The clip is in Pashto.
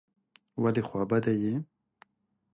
ولي خوابدی یې ؟